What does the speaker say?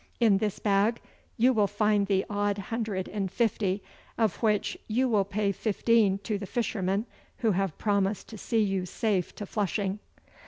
In this bag you will find the odd hundred and fifty, of which you will pay fifteen to the fishermen who have promised to see you safe to Flushing.